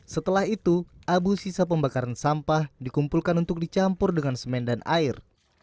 setelah itu abu sisa pembakaran sampah dikumpulkan untuk dicampur dengan semen dan air